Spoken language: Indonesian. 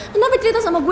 kenapa cerita sama gue